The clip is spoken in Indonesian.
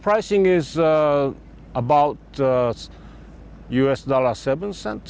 pricing kita adalah sekitar tujuh dolar as per kwh